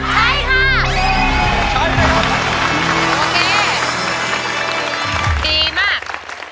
ใช้ค่ะใช้นะครับโอเคดีมาก